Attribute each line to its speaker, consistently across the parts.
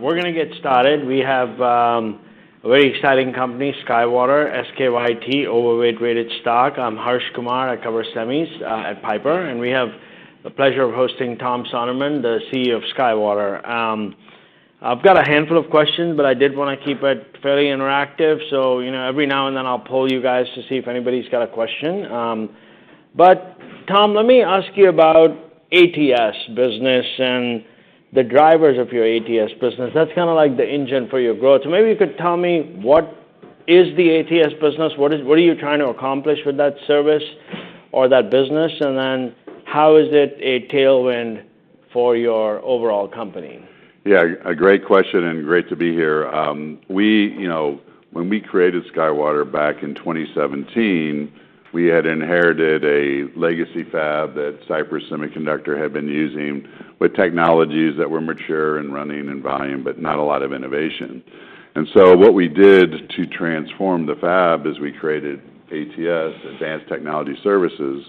Speaker 1: We're going to get started. We have a very exciting company, SkyWater, overweight-rated stock. I'm Harsh Kumar. I cover semis at Piper, and we have the pleasure of hosting Tom Sonderman, the CEO of SkyWater. I've got a handful of questions, but I did want to keep it fairly interactive, so every now and then, I'll poll you guys to see if anybody's got a question, but Tom, let me ask you about ATS business and the drivers of your ATS business. That's kind of like the engine for your growth. So maybe you could tell me, what is the ATS business? What are you trying to accomplish with that service or that business? Then how is it a tailwind for your overall company?
Speaker 2: Yeah. A great question and great to be here. When we created SkyWater back in 2017, we had inherited a legacy fab that Cypress Semiconductor had been using with technologies that were mature and running in volume, but not a lot of innovation, and so what we did to transform the fab is we created ATS, Advanced Technology Services,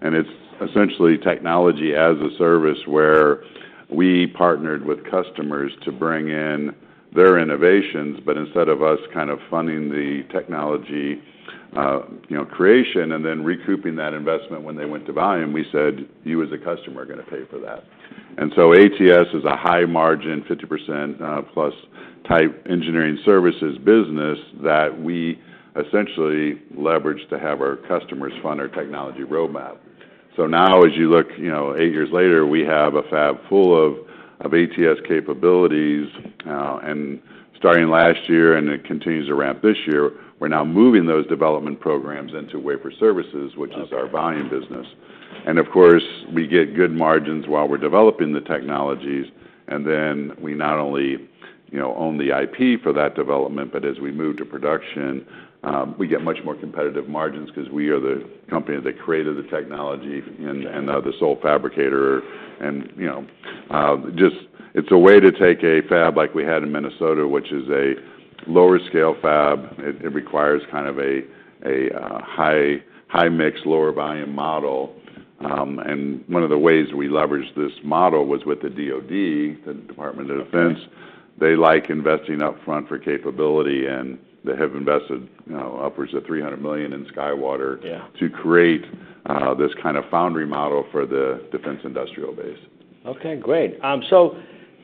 Speaker 2: and it's essentially technology as a service where we partnered with customers to bring in their innovations, but instead of us kind of funding the technology creation and then recouping that investment when they went to volume, we said, "You as a customer are going to pay for that," and so ATS is a high-margin, 50%+ type engineering services business that we essentially leveraged to have our customers fund our technology roadmap, so now, as you look eight years later, we have a fab full of ATS capabilities. Starting last year, and it continues to ramp this year, we're now moving those development programs into wafer services, which is our volume business. Of course, we get good margins while we're developing the technologies. Then we not only own the IP for that development, but as we move to production, we get much more competitive margins because we are the company that created the technology and the sole fabricator. It's a way to take a fab like we had in Minnesota, which is a lower-scale fab. It requires kind of a high-mix, lower-volume model. One of the ways we leveraged this model was with the DoD, the Department of Defense. They like investing upfront for capability. They have invested upwards of $300 million in SkyWater to create this kind of foundry model for the defense industrial base.
Speaker 1: Okay. Great. So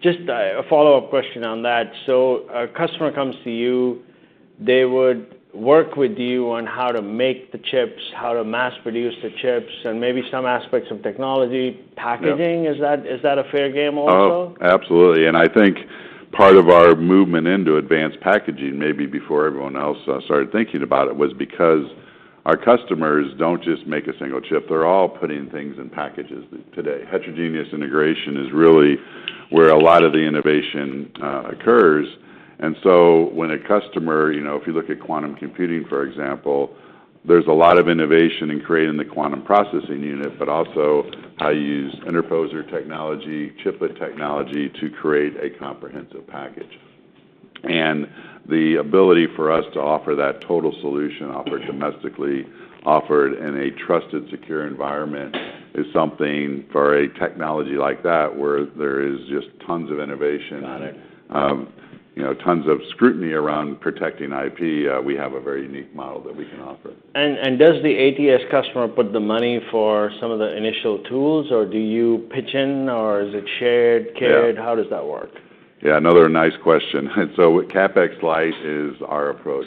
Speaker 1: just a follow-up question on that. So a customer comes to you, they would work with you on how to make the chips, how to mass-produce the chips, and maybe some aspects of technology, packaging. Is that a fair game also?
Speaker 2: Oh, absolutely. I think part of our movement into advanced packaging, maybe before everyone else started thinking about it, was because our customers don't just make a single chip. They're all putting things in packages today. Heterogeneous integration is really where a lot of the innovation occurs. When a customer, if you look at PsiQuantum computing, for example, there's a lot of innovation in creating the quantum processing unit, but also how you use interposer technology, chiplet technology to create a comprehensive package. The ability for us to offer that total solution, offer it domestically, offer it in a trusted, secure environment, is something for a technology like that where there is just tons of innovation, tons of scrutiny around protecting IP. We have a very unique model that we can offer.
Speaker 1: Does the ATS customer put the money for some of the initial tools, or do you pitch in, or is it shared? How does that work?
Speaker 2: Yeah. Another nice question. So CapEx-light is our approach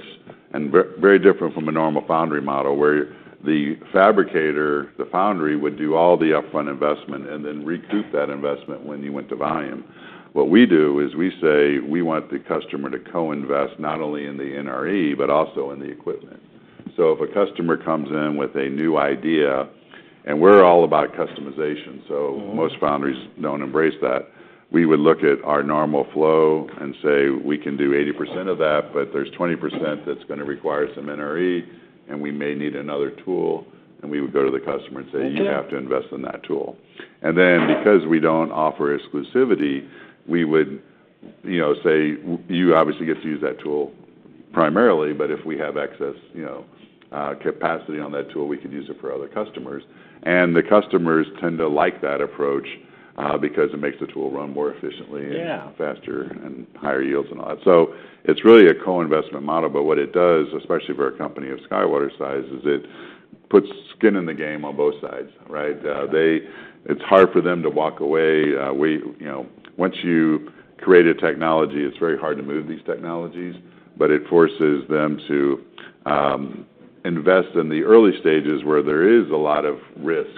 Speaker 2: and very different from a normal foundry model where the fabricator, the foundry, would do all the upfront investment and then recoup that investment when you went to volume. What we do is we say we want the customer to co-invest not only in the NRE, but also in the equipment. So if a customer comes in with a new idea, and we're all about customization, so most foundries don't embrace that, we would look at our normal flow and say, "We can do 80% of that, but there's 20% that's going to require some NRE, and we may need another tool." We would go to the customer and say, "You have to invest in that tool." Then because we don't offer exclusivity, we would say, "You obviously get to use that tool primarily, but if we have excess capacity on that tool, we could use it for other customers." The customers tend to like that approach because it makes the tool run more efficiently and faster and higher yields and all that. So it's really a co-investment model. What it does, especially for a company of SkyWater size, is it puts skin in the game on both sides. It's hard for them to walk away. Once you create a technology, it's very hard to move these technologies, but it forces them to invest in the early stages where there is a lot of risk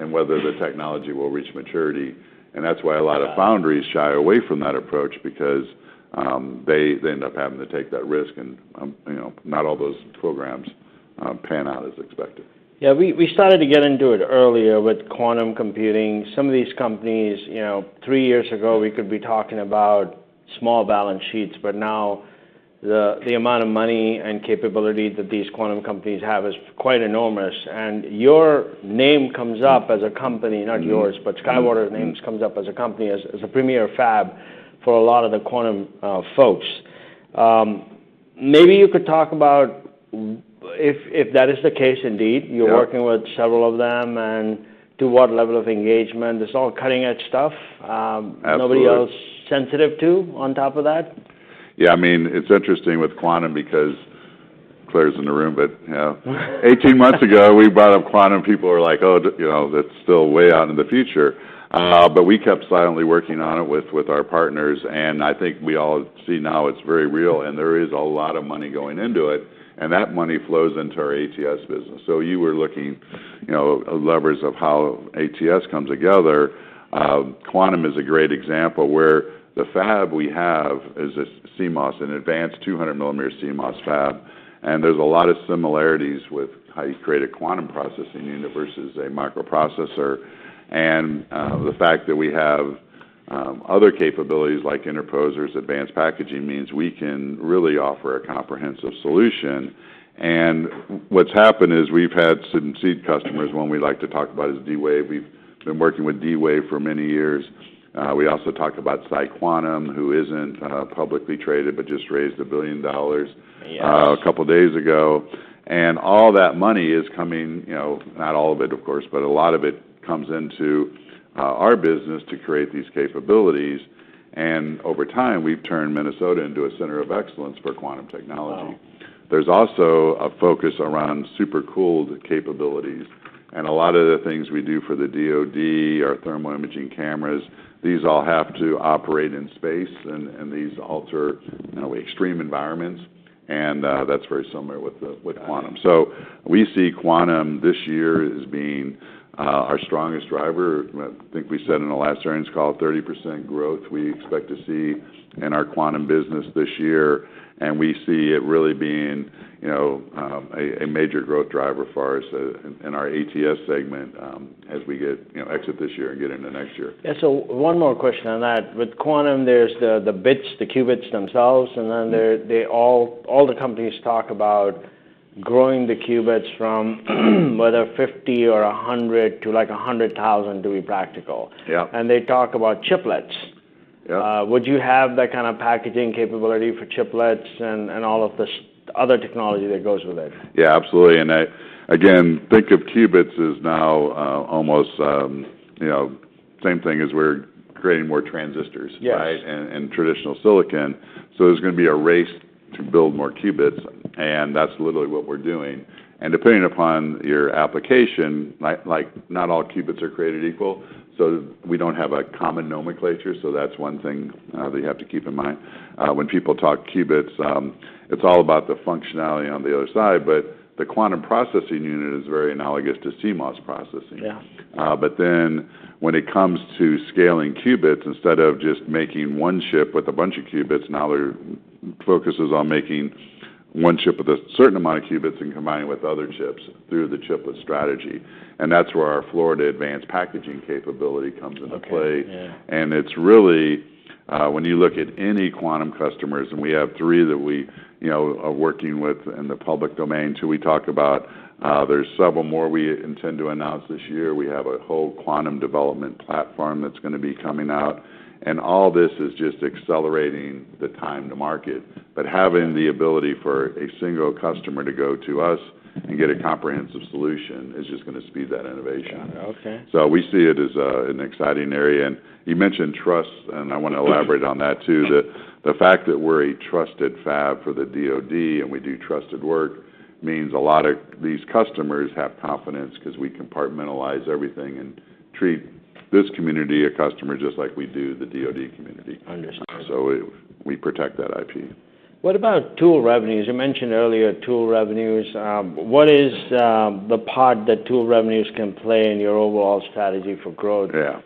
Speaker 2: and whether the technology will reach maturity. That's why a lot of foundries shy away from that approach because they end up having to take that risk. Not all those programs pan out as expected.
Speaker 1: Yeah. We started to get into it earlier with quantum computing. Some of these companies, three years ago, we could be talking about small balance sheets. Now the amount of money and capability that these quantum companies have is quite enormous. Your name comes up as a company, not yours, but SkyWater's name comes up as a company as a premier fab for a lot of the quantum folks. Maybe you could talk about if that is the case indeed, you're working with several of them and to what level of engagement. It's all cutting-edge stuff. Nobody else sensitive to on top of that?
Speaker 2: Yeah. I mean, it's interesting with quantum because Claire's in the room, but 18 months ago, we brought up quantum. People were like, "Oh, that's still way out in the future." We kept silently working on it with our partners. I think we all see now it's very real. There is a lot of money going into it. That money flows into our ATS business. So you were looking at levers of how ATS comes together. Quantum is a great example where the fab we have is a CMOS, an advanced 200-millimeter CMOS fab. There's a lot of similarities with how you create a quantum processing unit versus a microprocessor. The fact that we have other capabilities like interposers, advanced packaging means we can really offer a comprehensive solution. What's happened is we've had some seed customers. One we'd like to talk about is D-Wave. We've been working with D-Wave for many years. We also talk about Quantum, who isn't publicly traded but just raised $1 billion a couple of days ago, and all that money is coming—not all of it, of course, but a lot of it—comes into our business to create these capabilities. Over time, we've turned Minnesota into a center of excellence for quantum technology. There's also a focus around super-cooled capabilities. A lot of the things we do for the DoD, our thermal imaging cameras, these all have to operate in space, and these ultra extreme environments. That's very similar with quantum, so we see quantum this year as being our strongest driver. I think we said in the last earnings call, 30% growth we expect to see in our quantum business this year. We see it really being a major growth driver for us in our ATS segment as we exit this year and get into next year.
Speaker 1: Yeah. So one more question on that. With quantum, there's the bits, the qubits themselves. Then all the companies talk about growing the qubits from whether 50 or 100 to like 100,000 to be practical. They talk about chiplets. Would you have that kind of packaging capability for chiplets and all of the other technology that goes with it?
Speaker 2: Yeah. Absolutely. Again, think of qubits as now almost same thing as we're creating more transistors, right, and traditional silicon. So there's going to be a race to build more qubits. That's literally what we're doing. Depending upon your application, not all qubits are created equal. So we don't have a common nomenclature. So that's one thing that you have to keep in mind. When people talk about qubits, it's all about the functionality on the other side. The quantum processing unit is very analogous to CMOS processing. Then when it comes to scaling qubits, instead of just making one chip with a bunch of qubits, now they're focusing on making one chip with a certain amount of qubits and combining with other chips through the chiplet strategy. That's where our 2D-to-advanced packaging capability comes into play. It's really, when you look at any quantum customers, and we have three that we are working with in the public domain too. We talk about there's several more we intend to announce this year. We have a whole quantum development platform that's going to be coming out. All this is just accelerating the time to market. Having the ability for a single customer to go to us and get a comprehensive solution is just going to speed that innovation. So we see it as an exciting area. You mentioned trust. I want to elaborate on that too. The fact that we're a trusted fab for the DoD and we do trusted work means a lot of these customers have confidence because we compartmentalize everything and treat this community of customers just like we do the DoD community. So we protect that IP.
Speaker 1: What about tool revenues? You mentioned earlier tool revenues. What is the part that tool revenues can play in your overall strategy for growth?
Speaker 2: Yeah.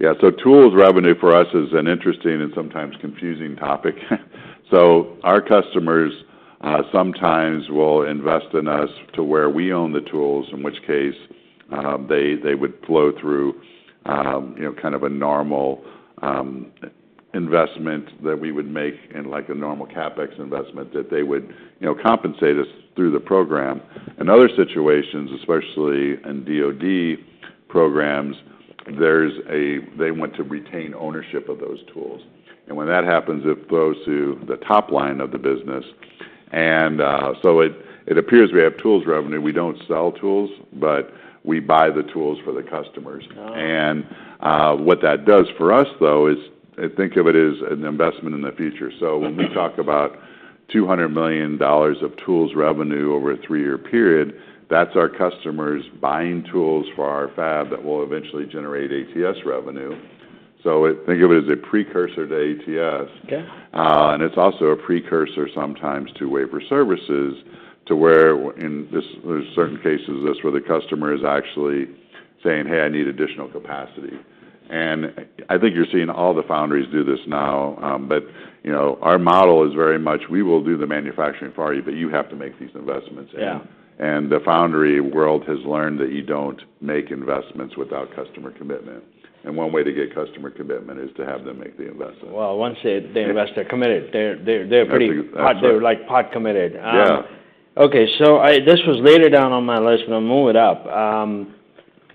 Speaker 2: Yeah. Tools revenue for us is an interesting and sometimes confusing topic. Our customers sometimes will invest in us to where we own the tools, in which case they would flow through kind of a normal investment that we would make in like a normal CapEx investment that they would compensate us through the program. In other situations, especially in DoD programs, they want to retain ownership of those tools. When that happens, it flows to the top line of the business. It appears we have tools revenue. We don't sell tools, but we buy the tools for the customers. What that does for us, though, is think of it as an investment in the future. So when we talk about $200 million of tools revenue over a three-year period, that's our customers buying tools for our fab that will eventually generate ATS revenue. So think of it as a precursor to ATS. It's also a precursor sometimes to wafer services, to where in certain cases where the customer is actually saying, "Hey, I need additional capacity." I think you're seeing all the foundries do this now. Our model is very much, "We will do the manufacturing for you, but you have to make these investments." The foundry world has learned that you don't make investments without customer commitment. One way to get customer commitment is to have them make the investment.
Speaker 1: Once they invest, they're committed. They're like pot-committed. Okay. This was later down on my list, but I'll move it up.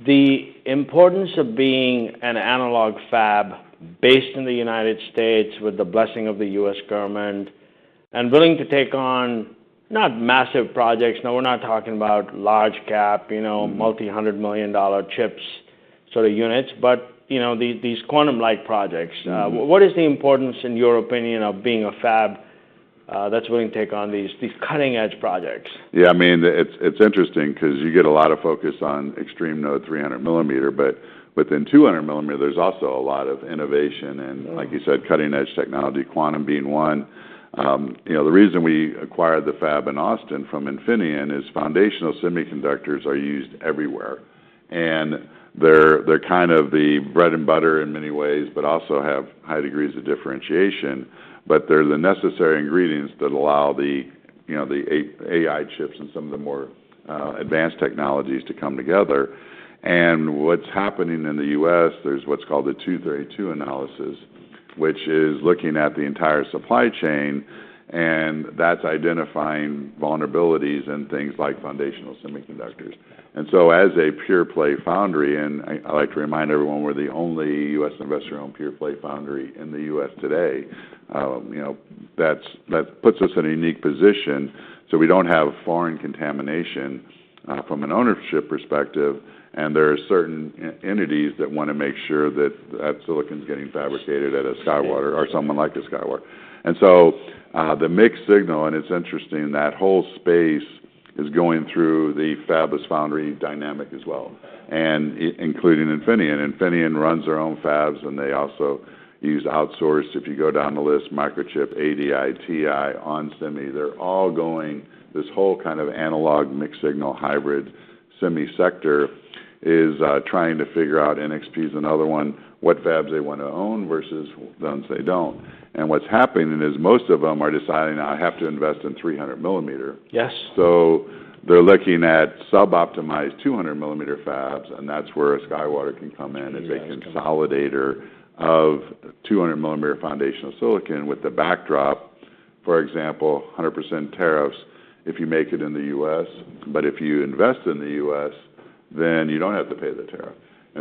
Speaker 1: The importance of being an analog fab based in the United States with the blessing of the U.S. government and willing to take on not massive projects. Now, we're not talking about large-cap, multi-hundred-million-dollar chips sort of units, but these quantum-like projects. What is the importance, in your opinion, of being a fab that's willing to take on these cutting-edge projects?
Speaker 2: Yeah. I mean, it's interesting because you get a lot of focus on extreme node 300-millimeter. Within 200-millimeter, there's also a lot of innovation and, like you said, cutting-edge technology, quantum being one. The reason we acquired the fab in Austin from Infineon is foundational semiconductors are used everywhere. They're kind of the bread and butter in many ways, but also have high degrees of differentiation. They're the necessary ingredients that allow the AI chips and some of the more advanced technologies to come together. What's happening in the U.S., there's what's called the 232 analysis, which is looking at the entire supply chain. That's identifying vulnerabilities and things like foundational semiconductors. So as a pure-play foundry, and I like to remind everyone, we're the only U.S. investor-owned pure-play foundry in the U.S. today. That puts us in a unique position. We don't have foreign contamination from an ownership perspective. There are certain entities that want to make sure that silicon is getting fabricated at a SkyWater or someone like a SkyWater. So the mixed signal, and it's interesting, that whole space is going through the fabless foundry dynamic as well, including Infineon. Infineon runs their own fabs, and they also use outsourced, if you go down the list, Microchip, ADI, TI, onsemi. They're all going this whole kind of analog mixed signal hybrid semi-sector is trying to figure out NXP is another one, what fabs they want to own versus the ones they don't. What's happening is most of them are deciding, "I have to invest in 300 millimeter." So they're looking at sub-optimized 200-millimeter fabs. That's where SkyWater can come in as a consolidator of 200-millimeter foundational silicon with the backdrop, for example, 100% tariffs if you make it in the U.S. If you invest in the U.S., then you don't have to pay the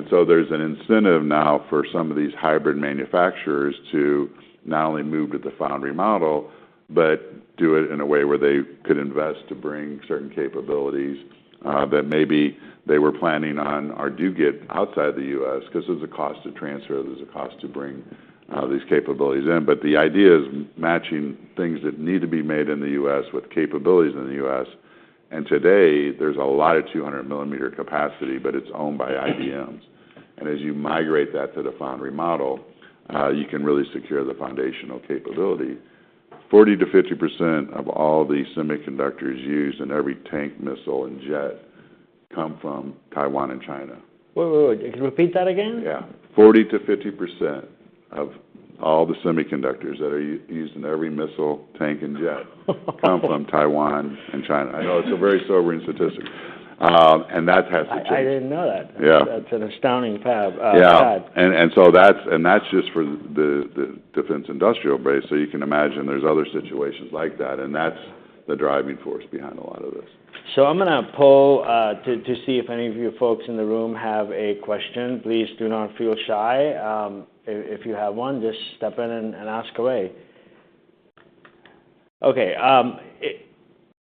Speaker 2: tariff. So there's an incentive now for some of these hybrid manufacturers to not only move to the foundry model, but do it in a way where they could invest to bring certain capabilities that maybe they were planning on or do get outside the U.S. because there's a cost to transfer. There's a cost to bring these capabilities in. The idea is matching things that need to be made in the U.S. with capabilities in the U.S. Today, there's a lot of 200-millimeter capacity, but it's owned by IBMs. As you migrate that to the foundry model, you can really secure the foundational capability. 40%-50% of all the semiconductors used in every tank, missile, and jet come from Taiwan and China.
Speaker 1: Wait, wait, wait. Can you repeat that again?
Speaker 2: Yeah. 40%-50% of all the semiconductors that are used in every missile, tank, and jet come from Taiwan and China. I know it's a very sobering statistic, and that has to change.
Speaker 1: I didn't know that. That's an astounding fab.
Speaker 2: Yeah. That's just for the defense industrial base. So you can imagine there's other situations like that. That's the driving force behind a lot of this.
Speaker 1: So I'm going to poll to see if any of you folks in the room have a question. Please do not feel shy. If you have one, just step in and ask away. Okay.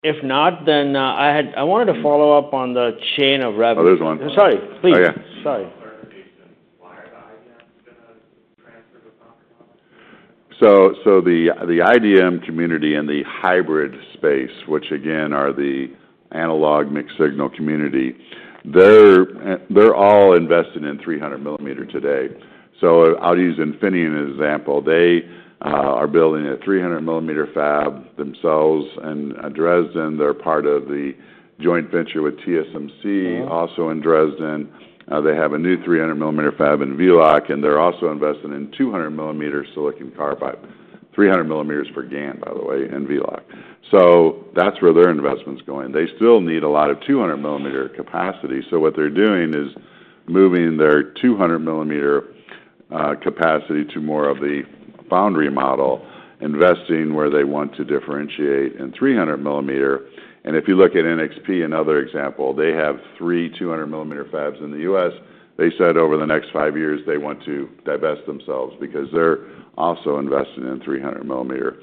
Speaker 1: If not, then I wanted to follow up on the chain of revenue.
Speaker 2: Oh, there's one thing.
Speaker 1: Sorry. Please. Sorry.
Speaker 2: So the IDM community in the hybrid space, which again are the analog mixed-signal community, they're all invested in 300-millimeter today. I'll use Infineon as an example. They are building a 300-millimeter fab themselves in Dresden. They're part of the joint venture with TSMC also in Dresden. They have a new 300-millimeter fab in Villach. They're also invested in 200-millimeter silicon carbide, 300-millimeter for GaN, by the way, in Villach. That's where their investment's going. They still need a lot of 200-millimeter capacity. What they're doing is moving their 200-millimeter capacity to more of the foundry model, investing where they want to differentiate in 300-millimeter. If you look at NXP and other examples, they have three 200-millimeter fabs in the U.S. They said over the next five years, they want to divest themselves because they're also invested in 300-millimeter.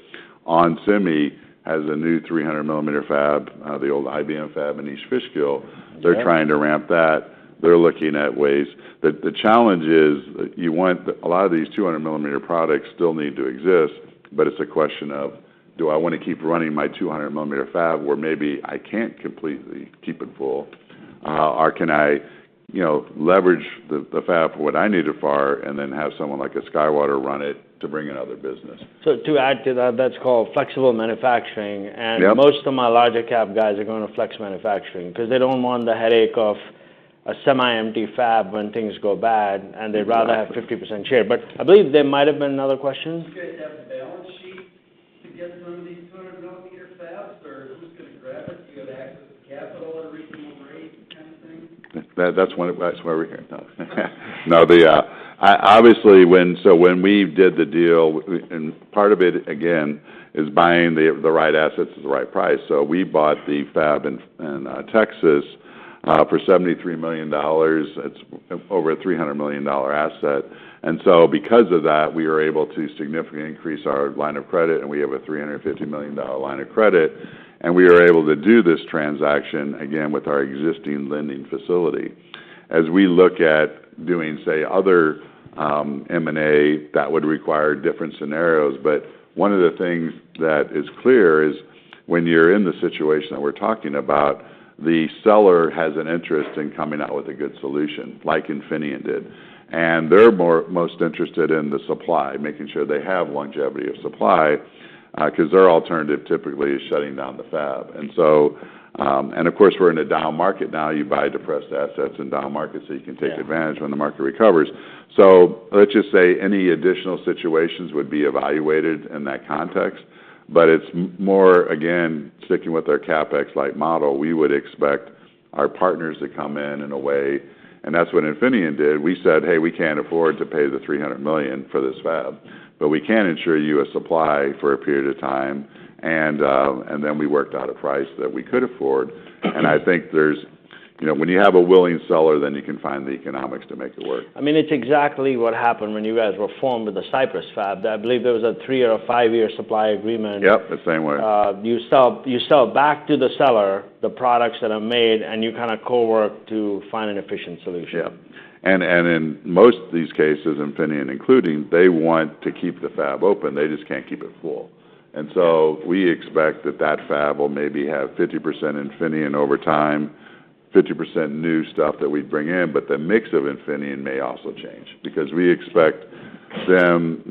Speaker 2: Onsemi has a new 300-millimeter fab, the old IBM fab in East Fishkill. They're trying to ramp that. They're looking at ways. The challenge is you want a lot of these 200-millimeter products still need to exist. It's a question of, do I want to keep running my 200-millimeter fab where maybe I can't completely keep it full? Or can I leverage the fab for what I need it for and then have someone like a SkyWater run it to bring another business?
Speaker 1: So to add to that, that's called flexible manufacturing. Most of my logic cap guys are going to flex manufacturing because they don't want the headache of a semi-empty fab when things go bad. They'd rather have 50% share. I believe there might have been another question. Do you guys have the balance sheet to get some of these 200-millimeter fabs? Or who's going to grab it? Do you have access to capital at a reasonable rate kind of thing?
Speaker 2: That's why we're here. No. Obviously, so when we did the deal, and part of it, again, is buying the right assets at the right price. So we bought the fab in Texas for $73 million. It's over a $300 million asset. So because of that, we were able to significantly increase our line of credit. We have a $350 million line of credit. We were able to do this transaction, again, with our existing lending facility. As we look at doing, say, other M&A, that would require different scenarios. One of the things that is clear is when you're in the situation that we're talking about, the seller has an interest in coming out with a good solution, like Infineon did. They're most interested in the supply, making sure they have longevity of supply because their alternative typically is shutting down the fab. Of course, we're in a down market now. You buy depressed assets in down markets so you can take advantage when the market recovers. Let's just say any additional situations would be evaluated in that context. It's more, again, sticking with our CapEx-like model. We would expect our partners to come in in a way. That's what Infineon did. We said, "Hey, we can't afford to pay the $300 million for this fab. We can ensure you a supply for a period of time." Then we worked out a price that we could afford. I think when you have a willing seller, then you can find the economics to make it work.
Speaker 1: I mean, it's exactly what happened when you guys were formed with the Cypress fab. I believe there was a three-year or five-year supply agreement.
Speaker 2: Yep. The same way.
Speaker 1: You sell back to the seller the products that are made, and you kind of cowork to find an efficient solution.
Speaker 2: Yeah, and in most of these cases, including Infineon, they want to keep the fab open. They just can't keep it full, and so we expect that the fab will maybe have 50% Infineon over time, 50% new stuff that we bring in, but the mix of Infineon may also change because we expect them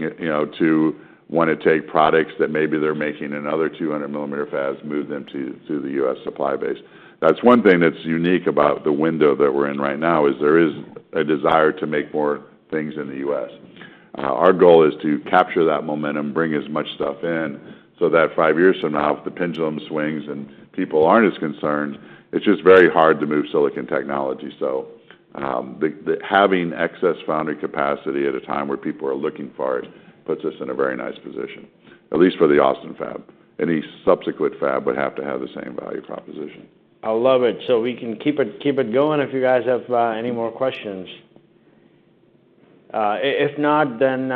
Speaker 2: to want to take products that maybe they're making in other 200-millimeter fabs, move them to the U.S. supply base. That's one thing that's unique about the window that we're in right now, is there is a desire to make more things in the U.S. Our goal is to capture that momentum, bring as much stuff in so that five years from now, if the pendulum swings and people aren't as concerned, it's just very hard to move silicon technology. So having excess foundry capacity at a time where people are looking for it puts us in a very nice position, at least for the Austin fab. Any subsequent fab would have to have the same value proposition.
Speaker 1: I love it. So we can keep it going if you guys have any more questions. If not, then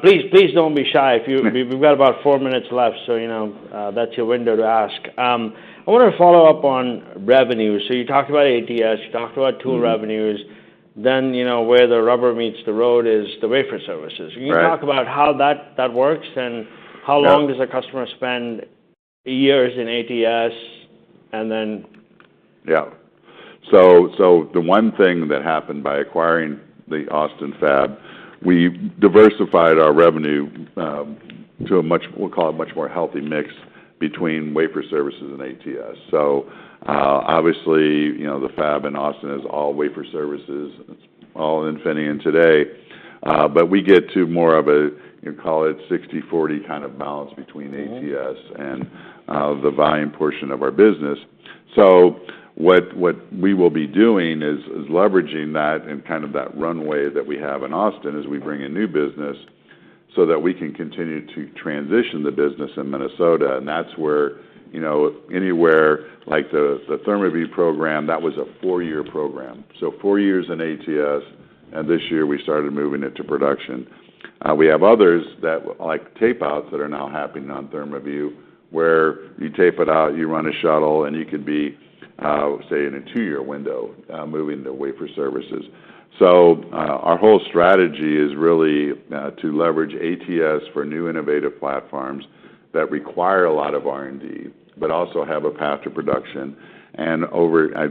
Speaker 1: please don't be shy. We've got about four minutes left. So that's your window to ask. I want to follow up on revenue. So you talked about ATS. You talked about tool revenues. Then where the rubber meets the road is the wafer services. Can you talk about how that works and how long does a customer spend years in ATS and then?
Speaker 2: Yeah. So the one thing that happened by acquiring the Austin fab, we diversified our revenue to a much more healthy mix, we'll call it, between wafer services and ATS. So obviously, the fab in Austin is all wafer services. It's all Infineon today. We get to more of a, you call it 60/40 kind of balance between ATS and the volume portion of our business. So what we will be doing is leveraging that and kind of that runway that we have in Austin as we bring in new business so that we can continue to transition the business in Minnesota. That's where anywhere like the ThermaVue program, that was a four-year program. So four years in ATS. This year, we started moving it to production. We have others like tape-outs that are now happening on ThermaVue where you tape it out, you run a shuttle, and you could be, say, in a two-year window moving the Wafer Services. So our whole strategy is really to leverage ATS for new innovative platforms that require a lot of R&D but also have a path to production, and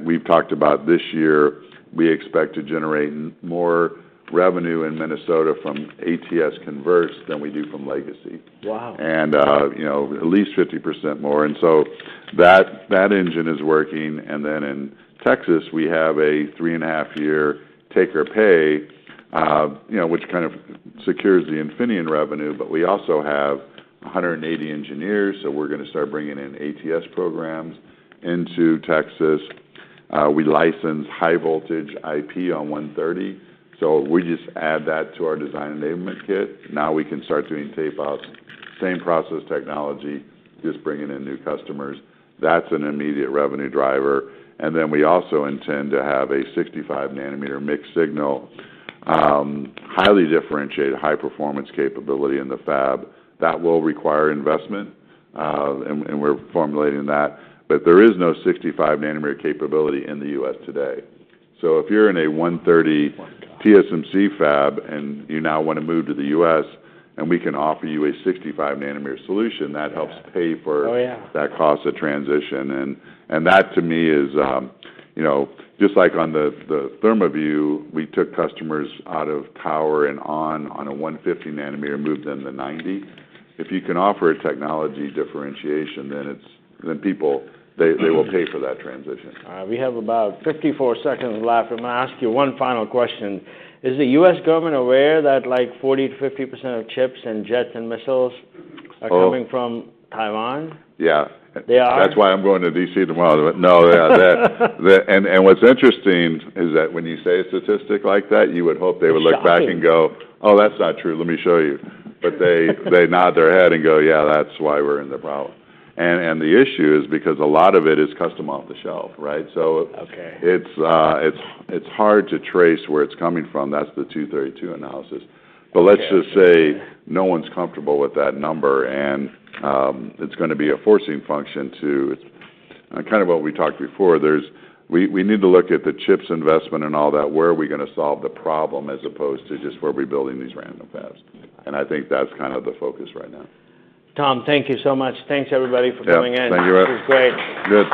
Speaker 2: we've talked about this year, we expect to generate more revenue in Minnesota from ATS converts than we do from legacy.
Speaker 1: Wow.
Speaker 2: At least 50% more. So that engine is working. Then in Texas, we have a three-and-a-half-year take-or-pay, which kind of secures the Infineon revenue. We also have 180 engineers. So we're going to start bringing in ATS programs into Texas. We license high-voltage IP on 130. So we just add that to our design enablement kit. Now we can start doing tape-outs, same process technology, just bringing in new customers. That's an immediate revenue driver. Then we also intend to have a 65-nanometer mixed-signal, highly differentiated, high-performance capability in the fab. That will require investment. We're formulating that. There is no 65-nanometer capability in the U.S. today. So if you're in a 130 TSMC fab and you now want to move to the U.S., and we can offer you a 65-nanometer solution, that helps pay for that cost of transition. That, to me, is just like on the ThermaVue, we took customers out of power and, on a 150-nanometer, moved them to 90. If you can offer a technology differentiation, then people, they will pay for that transition.
Speaker 1: All right. We have about 54 seconds left. I'm going to ask you one final question. Is the U.S. government aware that like 40%-50% of chips and jets and missiles are coming from Taiwan?
Speaker 2: Yeah. That's why I'm going to DC tomorrow. No, yeah. What's interesting is that when you say a statistic like that, you would hope they would look back and go, "Oh, that's not true. Let me show you." They nod their head and go, "Yeah, that's why we're in the problem." The issue is because a lot of it is customer off the shop, right? So it's hard to trace where it's coming from. That's the 232 analysis. Let's just say no one's comfortable with that number. It's going to be a forcing function to kind of what we talked before. We need to look at the CHIPS investment and all that. Where are we going to solve the problem as opposed to just where we're building these random fabs? Think that's kind of the focus right now.
Speaker 1: Tom, thank you so much. Thanks, everybody, for coming in.
Speaker 2: Yeah. Thank you.
Speaker 1: This was great.
Speaker 2: Good.